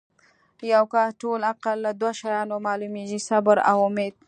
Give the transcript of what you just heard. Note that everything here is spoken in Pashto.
د یو کس ټول عقل لۀ دوه شیانو معلومیږي صبر او اُمید